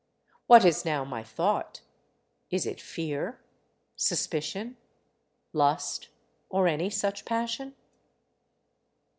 What is now my thought? Is it fear? Suspicion? Lust? Or any such passion?